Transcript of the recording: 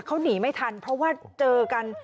เขาหนีไม่ทันเพราะว่าเจอกัน